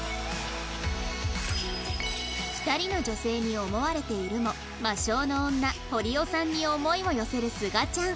２人の女性に思われているも魔性の女堀尾さんに思いを寄せるすがちゃん